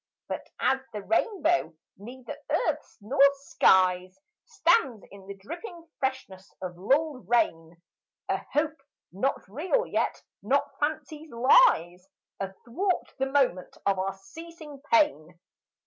But as the rainbow, neither earth's nor sky's, Stands in the dripping freshness of lulled rain, A hope, not real yet not fancy's, lies Athwart the moment of our ceasing pain.